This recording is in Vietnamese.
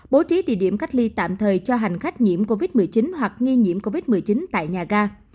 bố trí địa điểm cách ly tạm thời cho hành khách nhiễm covid một mươi chín hoặc nghi nhiễm covid một mươi chín tại nhà ga